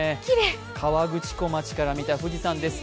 河口湖町から見た富士山です。